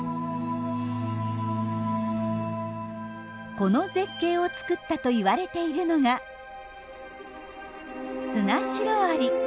この絶景を作ったと言われているのがスナシロアリ。